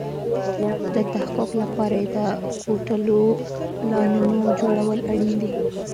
د تحقق لپاره يې د کوټلو پلانونو جوړول اړين دي.